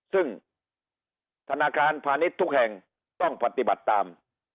ซึ่งธนาคารพาณิชย์ทุกแห่งต้องปฏิบัติตาม